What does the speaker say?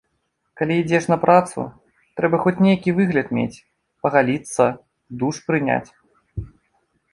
Калі ідзеш на працу, трэба хоць нейкі выгляд мець, пагаліцца, душ прыняць.